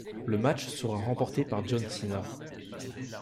Le match sera remporté par John Cena.